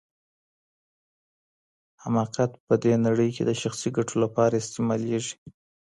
حماقت په دې نړۍ کي د شخصي ګټو لپاره استعمالیږي.